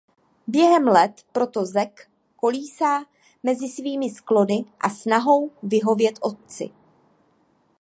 Během let proto Zack kolísá mezi svými sklony a snahou vyhovět otci.